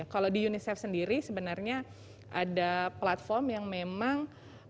kalau di unicef sendiri sebenarnya ada platform yang memang